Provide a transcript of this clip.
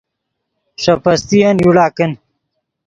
ݰے پستین یوڑا کن